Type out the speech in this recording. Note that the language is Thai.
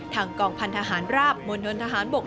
ทางกองพันธหารราบมณฑนทหารบก